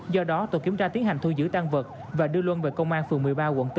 do đó tổ kiểm tra tiến hành thu giữ tan vật và đưa luân về công an phường một mươi ba quận bốn